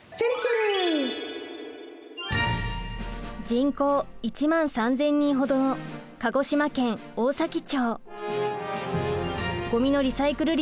人口１万３，０００人ほどの鹿児島県大崎町。